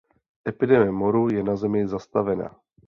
Epidemie moru je na Zemi zastavena.